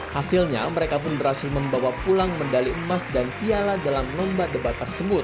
hasilnya mereka pun berhasil membawa pulang medali emas dan piala dalam lomba debat tersebut